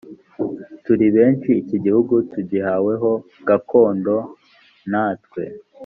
turi benshi iki gihugu tugihawe ho gakondo natwe